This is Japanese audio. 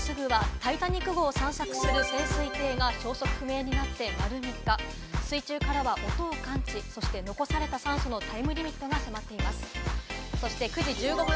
この後すぐはタイタニック号を散策する潜水艇が消息不明になって丸３日、水中からは音を感知、残された酸素のタイムリミットが迫っています。